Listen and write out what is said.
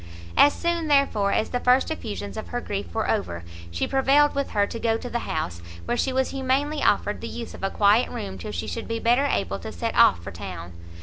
As soon, therefore, as the first effusions of her grief were over, she prevailed with her to go to the house, where she was humanely offered the use of a quiet room till she should be better able to set off for town.